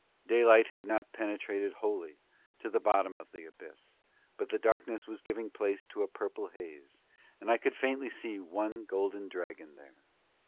Daylight had not yet penetrated wholly to the bottom of the abyss but the darkness was giving place to a purple haze and I could faintly see one golden dragon there.